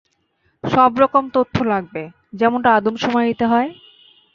সবরকম তথ্য লাগবে, যেমনটা আদমশুমারিতে হয়।